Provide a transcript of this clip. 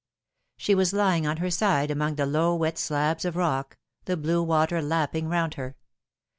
She was lying on her side among the low wet slabs of rock, the blue water lapping round her.